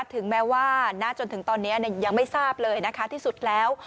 ถึงแม้ว่าณจนถึงตอนนี้ยังไม่ทราบเลยนะคะที่สุดแล้ว